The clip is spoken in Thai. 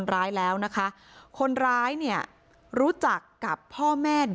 บางนัดเคยมีประวัติเกี่ยวข้องกับยาเสพติด